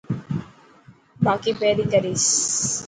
با ڪي پرين ڪريس.